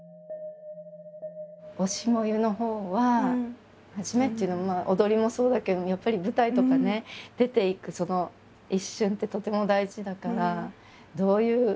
「推し、燃ゆ」のほうは初めっていうのは踊りもそうだけどやっぱり舞台とかね出ていくその一瞬ってとても大事だからどういう。